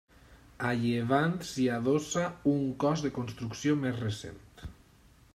A llevant s'hi adossa un cos de construcció més recent.